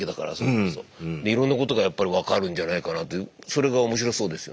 いろんなことがやっぱり分かるんじゃないかなってそれが面白そうですよね。